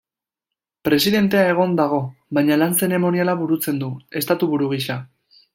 Presidentea egon dago, baina lan zeremoniala burutzen du Estatu-buru gisa.